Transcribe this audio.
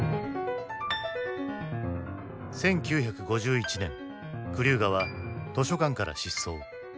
１９５１年クリューガは図書館から失踪。